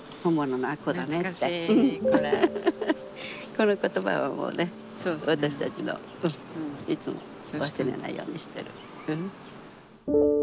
この言葉はもうね私たちのいつも忘れないようにしてる。